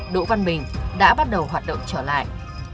đỗ văn bình đã bắt đầu hoạt động trở lại